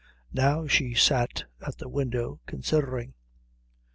Now she sat at the window considering.